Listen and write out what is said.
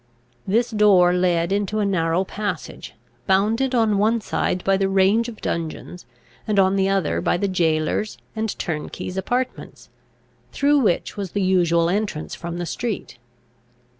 This door led into a narrow passage, bounded on one side by the range of dungeons, and on the other by the jailor's and turnkeys' apartments, through which was the usual entrance from the street.